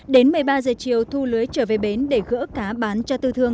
đến một mươi ba giờ chiều thu lưới trở về bến để gỡ cá bán cho tư thương